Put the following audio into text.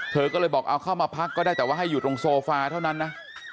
เธอก็เลยบอกเอาเข้ามาพักก็ได้แต่ว่าให้อยู่ตรงโซฟาเท่านั้นนะ